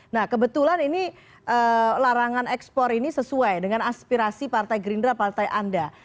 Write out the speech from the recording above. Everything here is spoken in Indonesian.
nah kebetulan ini larangan ekspor ini sesuai dengan aspirasi partai gerindra partai anda